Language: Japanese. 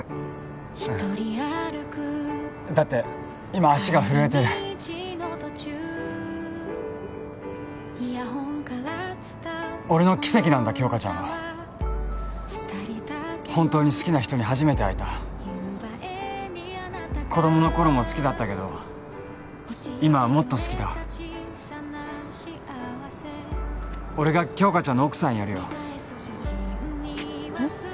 うんだって今足が震えてる俺の奇跡なんだ杏花ちゃんは本当に好きな人に初めて会えた子供の頃も好きだったけど今はもっと好きだ俺が杏花ちゃんの奥さんやるよえっ？